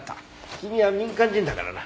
君は民間人だからな。